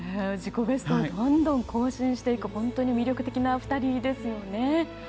自己ベストをどんどん更新していく本当に魅力的な２人ですよね。